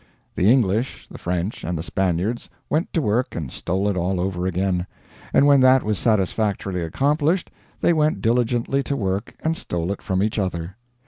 The English, the French, and the Spaniards went to work and stole it all over again; and when that was satisfactorily accomplished they went diligently to work and stole it from each other.